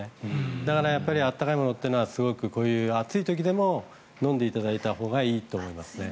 だから温かいものはすごくこういう暑い時でも飲んでいただいたほうがいいと思います。